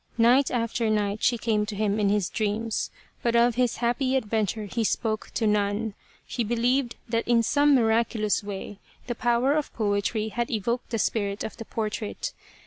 Night after night she came to him in his dreams, but of his happy adventure he spoke to none. He believed that in some miraculous way the power of poetry had evoked the spirit of the portrait.